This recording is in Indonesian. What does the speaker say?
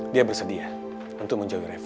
dia bersedia untuk menjauhi reva